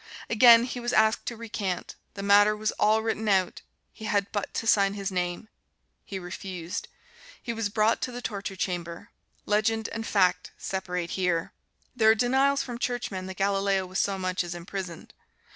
Again he was asked to recant the matter was all written out he had but to sign his name. He refused. He was brought to the torture chamber. Legend and fact separate here. There are denials from Churchmen that Galileo was so much as imprisoned.